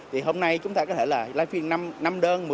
thì hôm nay chúng ta có thể là live stream năm đơn